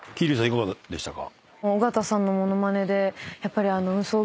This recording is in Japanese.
いかがでしたか？